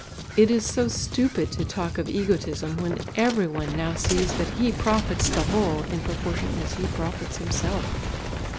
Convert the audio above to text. It is so stupid to talk of egotism when every one now sees that he profits the whole, in proportion as he profits himself.